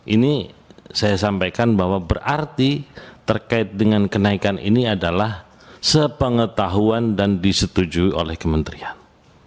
ini saya sampaikan bahwa berarti terkait dengan kenaikan ini adalah sepengetahuan dan disetujui oleh kementerian